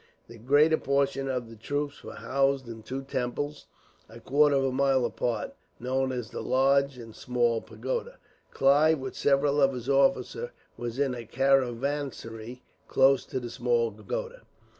The greater portion of the troops were housed in two temples, a quarter of a mile apart, known as the Large and Small Pagoda. Clive, with several of his officers, was in a caravansary close to the Small Pagoda.